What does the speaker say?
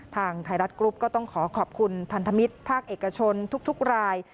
ทางไทยรัฐกรุ๊ปก็ต้องขอขอบคุณพันธมิตรภาคเอกชนทุกราย